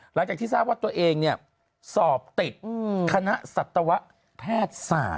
หลังจากที่ทราบว่าตัวเองสอบติดคณะสัตวแพทย์ศาสตร์